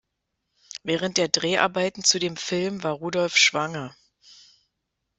Während der Dreharbeiten zu dem Film war Rudolph schwanger.